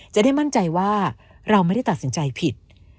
จะได้มั่นใจว่าเราไม่ได้ตัดสินใจผิด